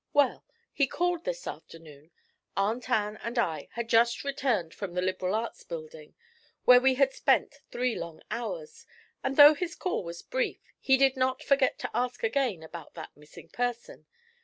Well, he called this afternoon. Aunt Ann and I had just returned from the Liberal Arts Building, where we had spent three long hours, and though his call was brief he did not forget to ask again about that "missing person."